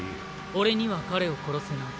俺には彼を殺せない。